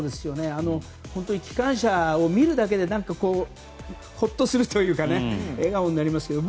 本当に機関車を見るだけでほっとするというか笑顔になりますけど。